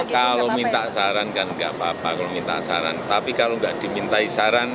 dalam penentuan kabinet jika tidak dimintai saran